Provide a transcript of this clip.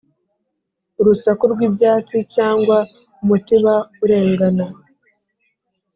urusaku rw'ibyatsi, cyangwa umutiba urengana